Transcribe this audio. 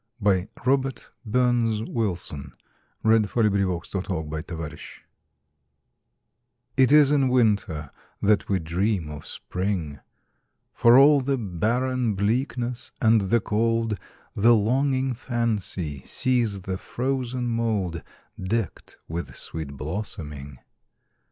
By Robert BurnsWilson 1047 It Is in Winter That We Dream of Spring IT is in Winter that we dream of Spring; For all the barren bleakness and the cold, The longing fancy sees the frozen mouldDecked with sweet blossoming.